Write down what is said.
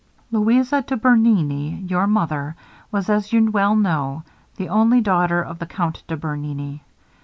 'Louisa de Bernini, your mother, was, as you well know, the only daughter of the Count de Bernini.